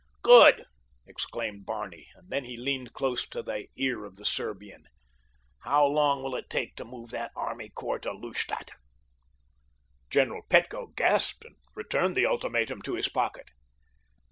"Good!" exclaimed Barney, and then he leaned close to the ear of the Serbian. "How long will it take to move that army corps to Lustadt?" General Petko gasped and returned the ultimatum to his pocket.